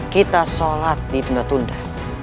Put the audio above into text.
kita sholat ditunda tunda